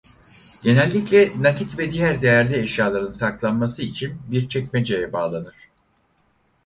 Genellikle nakit ve diğer değerli eşyaların saklanması için bir çekmeceye bağlanır.